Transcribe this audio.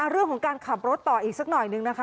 เรื่องของการขับรถต่ออีกสักหน่อยนึงนะคะ